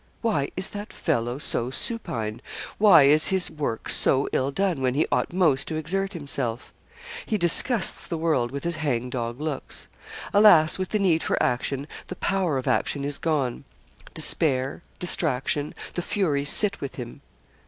Why is that fellow so supine? Why is his work so ill done, when he ought most to exert himself? He disgusts the world with his hang dog looks. Alas! with the need for action, the power of action is gone. Despair distraction the Furies sit with him.